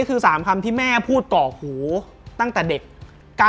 ความที่แม่พูดก่อหูตั้งแต่เด็ก